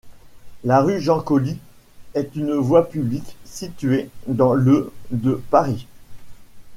La rue Jean-Colly est une voie publique située dans le de Paris.